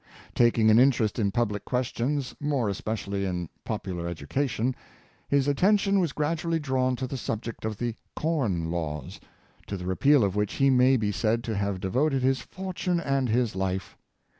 Taking an interest in public questions, more especially in popular education, his at tention was gradually drawn to the subject of the Corn Laws, to the repeal of which he may be said to have devoted his fortune and his life.